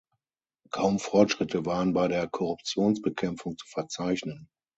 Kaum Fortschritte waren bei der Korruptionsbekämpfung zu verzeichnen.